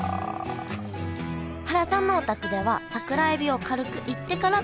原さんのお宅では桜えびを軽く煎ってから使います。